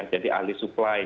jadi ahli suplai